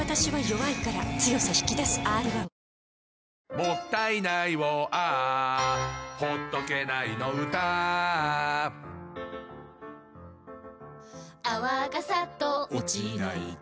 「もったいないをＡｈ」「ほっとけないの唄Ａｈ」「泡がサッと落ちないと」